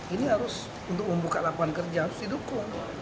ini harus untuk membuka lapangan kerja harus didukung